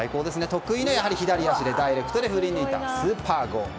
得意の左足でダイレクトで振り抜いたスーパーゴール。